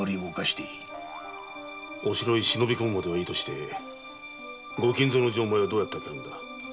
お城へ忍び込むまではいいとして御金蔵の錠前はどうやって開ける？